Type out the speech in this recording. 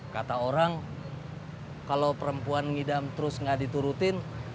kata orang kalau perempuan ngidam terus nggak diturutin